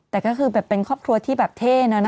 แต่ก็คือแบบเป็นครอบครัวที่แบบเท่นะ